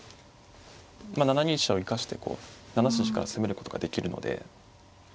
７二飛車を生かしてこう７筋から攻めることができるので。